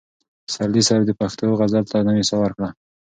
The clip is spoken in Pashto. پسرلي صاحب د پښتو غزل ته نوې ساه ورکړه.